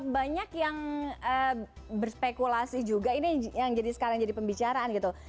banyak yang berspekulasi juga ini yang jadi sekarang jadi pembicaraan gitu